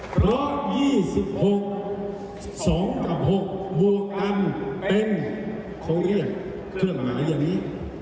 ๑๒๖๒กับ๖บวกกันเป็นเขาเรียกเครื่องหมายนี้